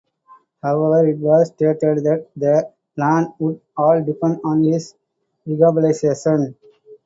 However it was stated that the "plan" would "all depend on his rehabilitation".